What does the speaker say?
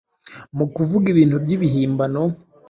mu kuvuga ibintu by’ibihimbano,